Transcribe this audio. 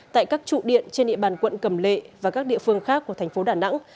tại các trụ điện trên địa bàn quận cầm lệ và các địa phương khác của thành phố đà nẵng